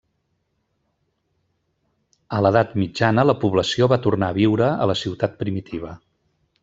A l'Edat Mitjana la població va tornar a viure a la ciutat primitiva.